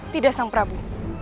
tidak sang prabu